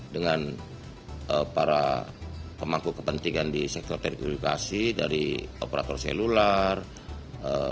dengan para pemangku kepentingan di sektor telekomunikasi dari operator selular penyelenggara jasa telekomunikasi